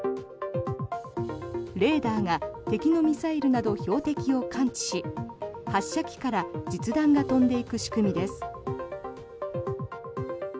レーダーが敵のミサイルなど標的を感知し発射機から実弾が飛んでいく仕組みです。